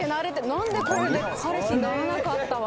なんでこれで彼氏にならなかったわけ？